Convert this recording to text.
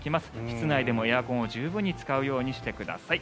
室内でもエアコンを十分に使うようにしてください。